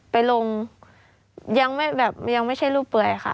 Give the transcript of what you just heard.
ไปลงยังไม่ใช่รูปเปื่อยค่ะ